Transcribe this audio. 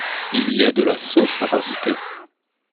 Il y a de la sauce à rajouter.